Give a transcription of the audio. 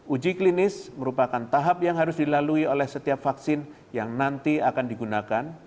uji klinis merupakan tahap yang harus dilalui oleh setiap vaksin yang nanti akan digunakan